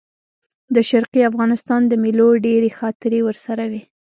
د شرقي افغانستان د مېلو ډېرې خاطرې ورسره وې.